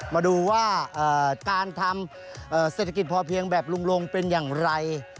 มาดูว่าการทำเศรษฐกิจพอเพียงแบบลุงลงเป็นอย่างไร